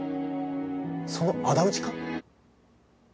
そのあだ討ちか？